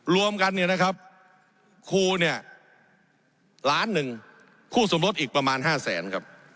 รวมกันเนี่ยนะครับครูเนี่ยล้านหนึ่งคู่สมรสอีกประมาณ๕แสนครับ